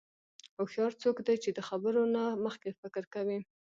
هوښیار څوک دی چې د خبرو نه مخکې فکر کوي.